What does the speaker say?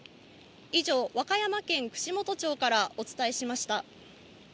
以上、和歌山県串本町からお伝えしました。